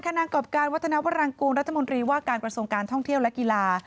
นางกรอบการวัฒนาวรังกูลรัฐมนตรีว่าการกระทรวงการท่องเที่ยวและกีฬา